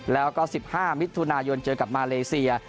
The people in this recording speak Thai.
แล้วก็๑๕มิถุนายนเจอกับมาเลเซีย